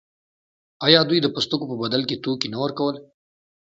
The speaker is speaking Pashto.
آیا دوی د پوستکو په بدل کې توکي نه ورکول؟